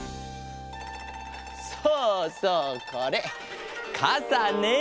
そうそうこれかさね！